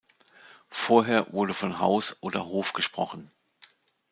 Vorher wurde von "Haus" oder "Hof" gesprochen.